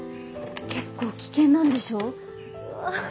結構危険なんでしょ？わ